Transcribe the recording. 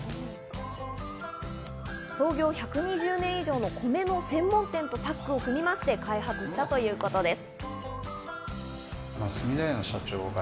創業１２０年以上の米の専門店とタッグを組みまして開発したということです。